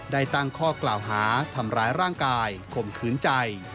ได้ตั้งข้อกล่าวหาทำร้ายร่างกายข่มขืนใจ